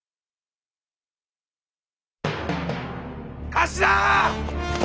頭！